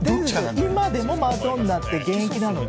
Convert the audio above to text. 今でもマドンナって現役なので。